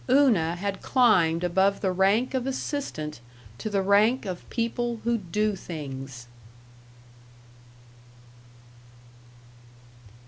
Una had climbed above the rank of assistant to the rank of people who do things.